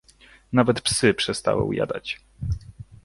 "Nawet psy przestały ujadać."